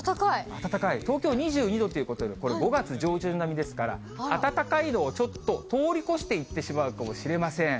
暖かい、東京２２度ということで、これ、５月上旬並みですから、暖かいのをちょっと通り越していってしまうかもしれません。